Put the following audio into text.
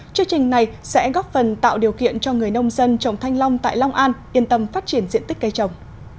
chương trình này sẽ góp phần tạo điều kiện cho người nông dân trồng thanh long tại long an yên tâm phát triển diện tích cây trồng